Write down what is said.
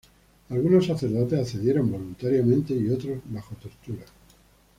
Algunos sacerdotes accedieron voluntariamente y otros, bajo tortura.